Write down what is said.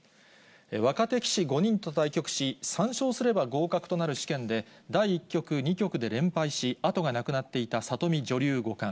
若手棋士５人と対局し、３勝すれば合格となる試験で、第１局、２局で連敗し、後がなくなっていた里見女流五冠。